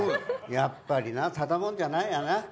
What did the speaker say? やっぱりなただもんじゃないよな。